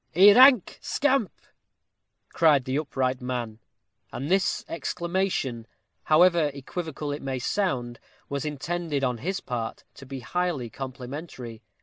"A rank scamp!" cried the upright man; and this exclamation, however equivocal it may sound, was intended, on his part, to be highly complimentary.